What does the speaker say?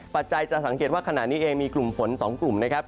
ปัจจัยจะสังเกตว่าขณะนี้เองมีกลุ่มฝน๒กลุ่มนะครับ